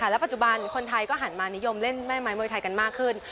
และปัจจุบันคนไทยก็หันมานิยมเล่นแม่ไม้มวยไทยกันมากขึ้น